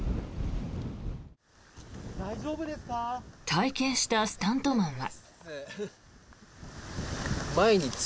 体験したスタントマンは。